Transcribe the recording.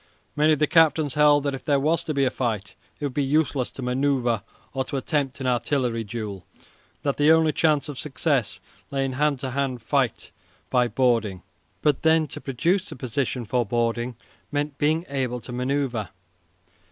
Many of the captains held that if there was to be a fight it would be useless to manoeuvre or to attempt an artillery duel, and that the only chance of success lay in a hand to hand fight by boarding. But, then, to produce the position for boarding meant being able to manoeuvre.